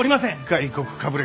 外国かぶれが。